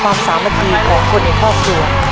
ความสามารถดีของคนในครอบครัว